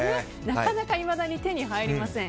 なかなかいまだに手に入りません。